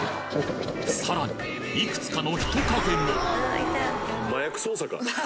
さらにいくつかの人影も！